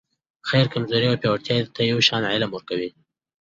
خير کمزورې او پیاوړي ته یو شان علم ورکوي.